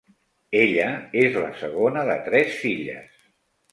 Ella és la segona de tres filles.